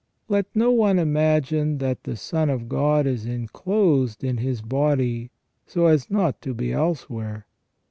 Let no one imagine that the Son of God is enclosed in His body so as not to be elsewhere.